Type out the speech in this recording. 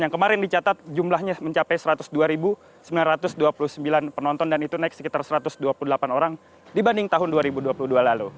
yang kemarin dicatat jumlahnya mencapai satu ratus dua sembilan ratus dua puluh sembilan penonton dan itu naik sekitar satu ratus dua puluh delapan orang dibanding tahun dua ribu dua puluh dua lalu